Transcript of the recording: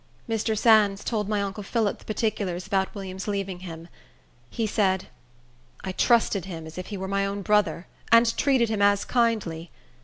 Mr. Sands told my uncle Phillip the particulars about William's leaving him. He said, "I trusted him as if he were my own brother, and treated him as kindly.